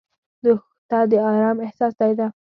دښته د ارام احساس ځای ده.